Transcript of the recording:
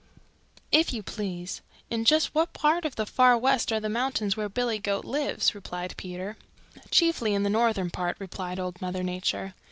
"If you please, in just what part of the Far West are the mountains where Billy Goat lives?" replied Peter. "Chiefly in the northern part," replied Old Mother Nature.